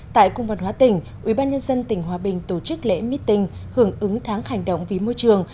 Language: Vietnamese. tại cung văn hóa tỉnh ubnd tỉnh hòa bình tổ chức lễ meeting hưởng ứng tháng hành động vì môi trường